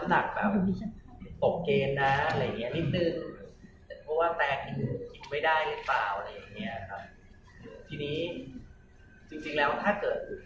แต่ก็ไม่พื้นเลย